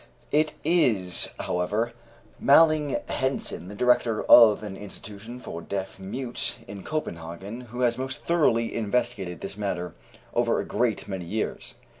It is, however, Malling Hansen, the director of an institution for deaf mutes in Copenhagen, who has most thoroughly investigated this matter over a great many years.